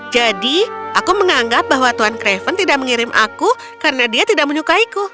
aku menganggap bahwa tuan craven tidak mengirim aku karena dia tidak menyukaiku